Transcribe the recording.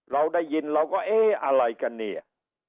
เราได้ยินเราก็เอ๊ะอะไรกันเนี่ย